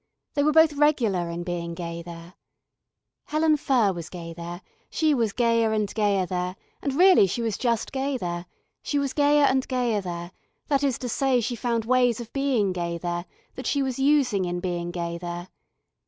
They were both regular in being gay there. Helen Furr was gay there, she was gayer and gayer there and really she was just gay there, she was gayer and gayer there, that is to say she found ways of being gay there that she was using in being gay there.